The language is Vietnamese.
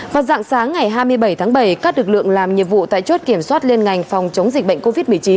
vào dạng sáng ngày hai mươi bảy tháng bảy các lực lượng làm nhiệm vụ tại chốt kiểm soát liên ngành phòng chống dịch bệnh covid một mươi chín